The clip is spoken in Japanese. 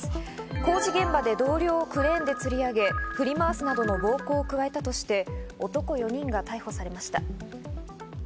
工事現場で同僚をクレーンでつり上げ振り回すなどの暴行を加えたとして男４人が逮捕されました。